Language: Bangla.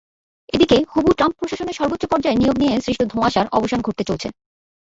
এদিকে, হবু ট্রাম্প প্রশাসনের সর্বোচ্চ পর্যায়ের নিয়োগ নিয়ে সৃষ্ট ধোঁয়াশার অবসান ঘটতে চলেছে।